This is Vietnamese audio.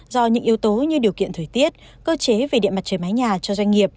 do những yếu tố như điều kiện thời tiết cơ chế về điện mặt trời mái nhà cho doanh nghiệp